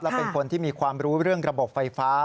และเป็นคนที่มีความรู้เรื่องระบบไฟฟ้า